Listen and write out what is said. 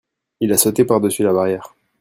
il a sauté par-dessus la barrière.